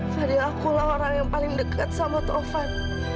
fadil akulah orang yang paling dekat sama tuhan